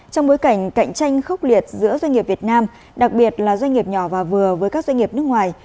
trong bối cảnh cạnh tranh khốc liệt giữa doanh nghiệp việt nam đặc biệt là doanh nghiệp nhỏ và vừa với các doanh nghiệp nước ngoài